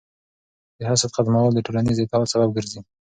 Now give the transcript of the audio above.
د حسد ختمول د ټولنیز اتحاد سبب ګرځي.